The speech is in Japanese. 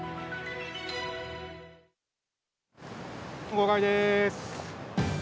号外です。